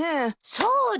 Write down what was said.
そうだ。